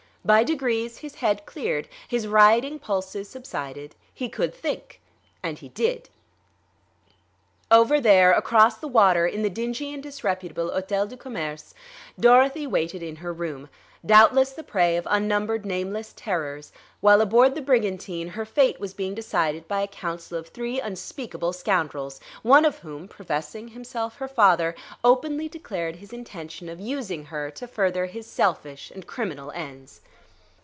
By degrees his head cleared, his rioting pulses subsided, he could think; and he did. Over there, across the water, in the dingy and disreputable Hôtel du Commerce, Dorothy waited in her room, doubtless the prey of unnumbered nameless terrors, while aboard the brigantine her fate was being decided by a council of three unspeakable scoundrels, one of whom, professing himself her father, openly declared his intention of using her to further his selfish and criminal ends.